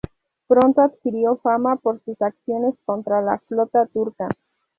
Pronto adquirió fama por sus acciones contra la flota turca.